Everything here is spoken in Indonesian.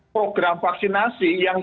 program vaksinasi yang